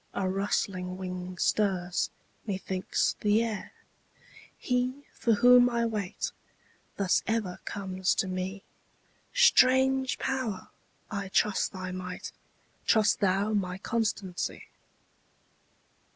a rustling wing stirs, methinks, the air: He for whom I wait, thus ever comes to me; Strange Power! I trust thy might; trust thou my constancy.